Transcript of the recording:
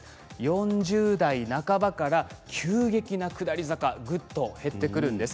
４０代半ばから急激な下り坂ぐっと減ってくるんです。